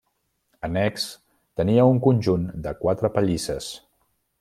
Annex, tenia un conjunt de quatre pallisses.